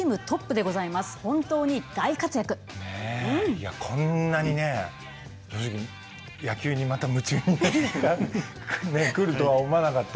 いやこんなにね正直野球にまた夢中になる日がねっくるとは思わなかった。